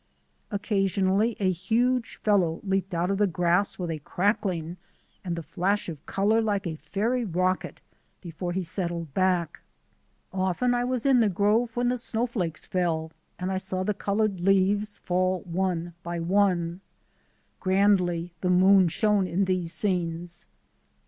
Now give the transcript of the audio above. Occasionally a huge fellow leaped out of the grass with a crackling and the flash of colour like a fairy rocket before he settled back. Often I was in the grove when the snowflakes fell; and I saw the coloured leaves fall one by one. Grandly the moon shone in these scenes.